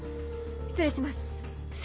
失礼します。